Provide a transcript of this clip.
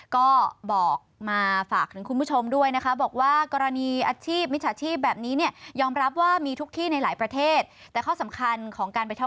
ก็บอกมาฝากถึงคุณผู้ชมด้วยนะคะ